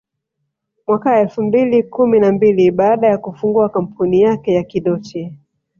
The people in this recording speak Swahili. Mwaka elfu mbili kumi na mbili baada ya kufungua kampuni yake ya Kidoti